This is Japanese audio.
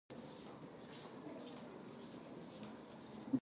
あいうえおかきくけこさしすせそあいうえおかきくけこさしすせそ